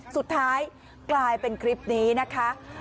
สุดท้ายกลายเป็นคลิปนี้นะคะ